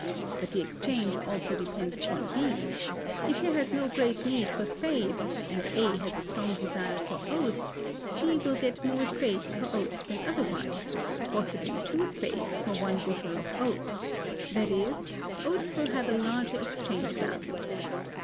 But the exchange also depends upon B. If he has no great need for spades, and A has a strong desire for oats, B will get more spades for oats than otherwise, possibly two spades for one bushel of oats; that is, oats will have a larger exchange value.